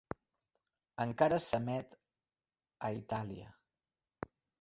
Encara s'emet a Itàlia.